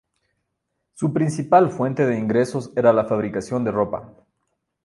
Su principal fuente de ingresos era la fabricación de ropa.